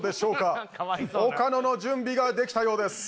岡野の準備ができたようです。